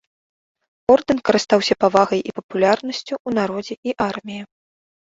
Ордэн карыстаўся павагай і папулярнасцю ў народзе і арміі.